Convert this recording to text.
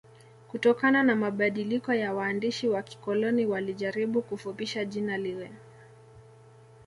kutokana na mabadiliko ya waandishi wa kikoloni walijaribu kufupisha jina lile